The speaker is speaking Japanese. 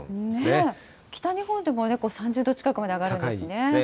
北日本でも３０度近くまで上高いですね。